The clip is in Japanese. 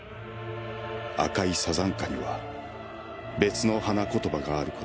「赤いサザンカには別の花言葉がある事を」